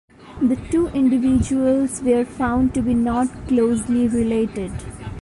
The two individuals were found to be not closely related.